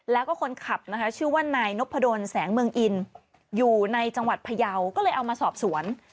แล้วก็คนขับนะคะชื่อว่านายนพดลแสงเมืองอินอยู่ในจังหวัดพยาวก็เลยเอามาสอบสวน